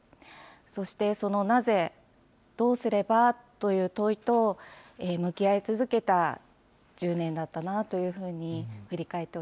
そして、そのなぜ、どうすればという問いと、向き合い続けた１０年だったなというふうに振り返っ